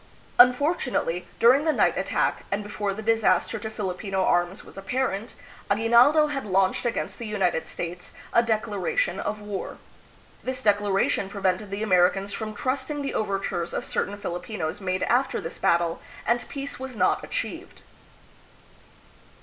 Unfortunately, during the night attack and before the disaster to Filipino arms was ap parent, Aguinaldo had launched against the United States a declaration of war. This declaration prevented the Americans from trusting the overtures of certain Filipinos made after this battle, and peace was not achieved.